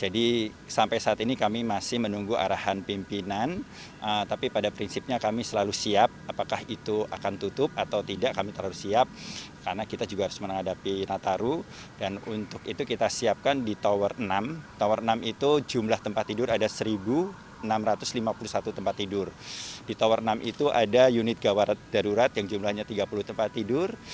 di tower enam itu ada unit gawarat darurat yang jumlahnya tiga puluh tempat tidur